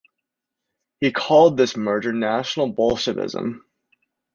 He called this merger National Bolshevism.